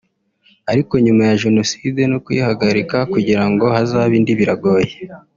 ariko nyuma ya Jenoside no kuyihagarika kugira ngo hazabe indi biragoye